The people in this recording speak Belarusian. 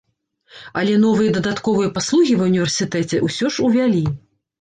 Але новыя дадатковыя паслугі ва ўніверсітэце ўсё ж увялі.